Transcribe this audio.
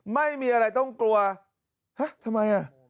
ไม่มีอะไรต้องกลัวทำไม